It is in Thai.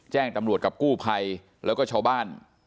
แจ้งตำรวจกับกู้ภัยแล้วก็ชาวบ้าน